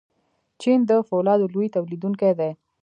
چین د فولادو لوی تولیدونکی دی.